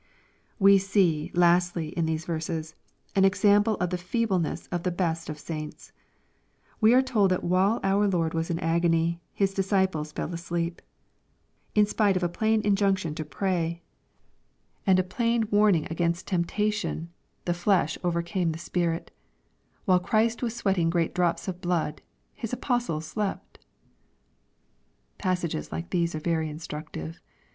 We see, lastly, in these verses, an example oftheftehle y ness of the best of sai7its. We are told that while our Lord was in agony, His disciples fell asleep. In^spite of a plain injunction to pray, and a plain warning against 424 ExrosiTORY thoughts. temptation the flesh ovejrcame the spirit. While Christ was sweating great drops of blood, His apostles slept I Passages like these are very instructive.